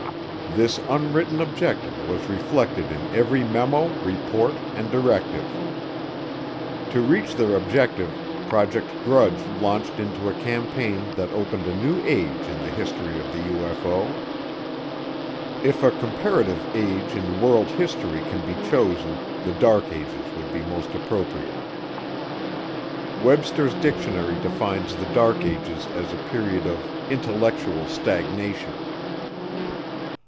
This unwritten objective was reflected in every memo, report, and directive. To reach their objective Project Grudge launched into a campaign that opened a new age in the history of the UFO. If a comparative age in world history can be chosen, the Dark Ages would be most appropriate. Webster's Dictionary defines the Dark Ages as a period of "intellectual stagnation."